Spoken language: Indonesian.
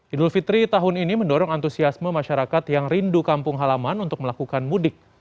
idul fitri tahun ini mendorong antusiasme masyarakat yang rindu kampung halaman untuk melakukan mudik